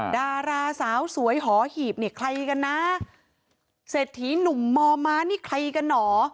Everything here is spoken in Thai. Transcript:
ดาราสาวสวยหอหีบนี่ใครกันนะเศรษฐีหนุ่มม้านี่ใครกันเหรอ